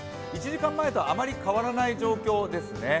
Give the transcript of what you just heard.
１時間前とあまり変わらない状況ですね。